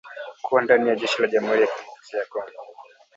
kuwa ndani ya jeshi la jamuhuri ya kidemokrasia ya Kongo